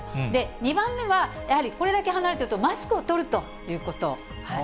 ２番目はやはりこれだけ離れてると、マスクをとるということ。